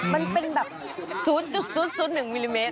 มันเป็นแบบ๐๐๑มิลลิเมตร